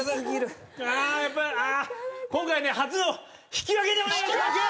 今回初の引き分けでお願いします。